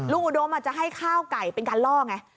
อุดมอาจจะให้ข้าวไก่เป็นการล่อไง